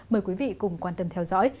mời quý vị cùng quan tâm theo dõi